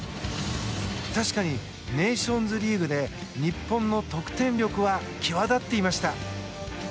確かに、ネーションズリーグで日本の得点力は際立っていました。